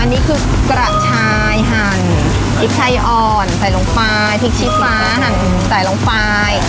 อันนี้คือกระชายหั่นพริกไทยอ่อนใส่ลงไปพริกชี้ฟ้าหั่นใส่ลงไป